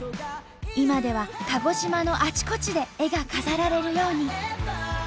今では鹿児島のあちこちで絵が飾られるように。